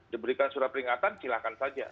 diberikan surat peringatan silahkan saja